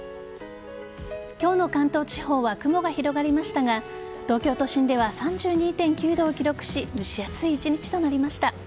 今日の関東地方は雲が広がりましたが東京都心では３２．９度を記録し蒸し暑い一日となりました。